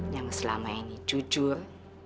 yang selama ini jujur